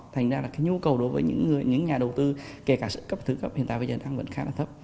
thành ra là cái nhu cầu đối với những nhà đầu tư kể cả sự cấp thứ cấp hiện tại bây giờ đang vẫn khá là thấp